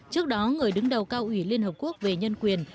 trước đó người đứng đầu cao ủy liên hợp quốc về nhân quyền